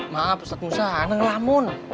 maaf ustadz musah aneh lamun